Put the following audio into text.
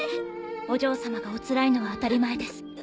お嬢様がおつらいのは当たり前です。